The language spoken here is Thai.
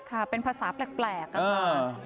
ค่ะเป็นภาษาแปลกค่ะ